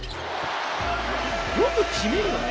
よく決めるよね。